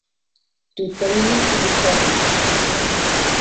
Тут павінен і дыктат быць.